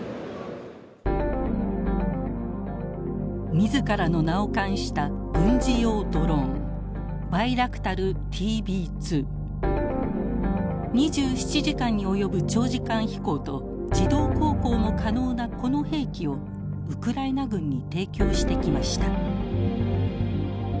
自らの名を冠した２７時間に及ぶ長時間飛行と自動航行も可能なこの兵器をウクライナ軍に提供してきました。